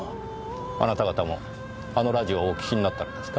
あなた方もあのラジオをお聴きになったのですか？